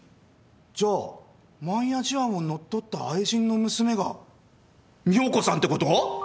じゃあ万屋寿庵を乗っ取った愛人の娘が美保子さんってこと！？